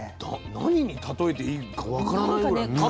何に例えていいか分からないぐらい。